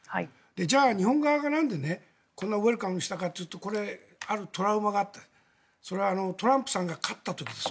じゃあ日本側がなんでこんなウェルカムしたかというとこれ、あるトラウマがあってそれはトランプさんが勝った時です。